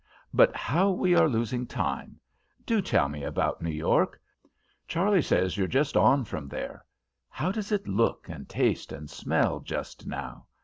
But how we are losing time! Do tell me about New York; Charley says you're just on from there. How does it look and taste and smell just now?